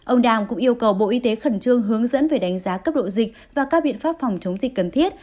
ông đàm cũng yêu cầu bộ y tế khẩn trương hướng dẫn về đánh giá cấp độ dịch và các biện pháp phòng chống dịch cần thiết